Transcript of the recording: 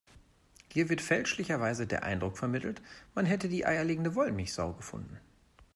Hier wird fälschlicherweise der Eindruck vermittelt, man hätte die eierlegende Wollmilchsau gefunden.